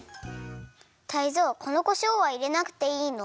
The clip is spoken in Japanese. タイゾウこのこしょうはいれなくていいの？